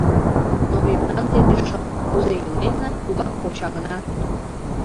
Но мемнан дене шып, кузе иленна, тугак почаҥына.